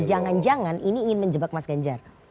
jangan jangan ini ingin menjebak mas ganjar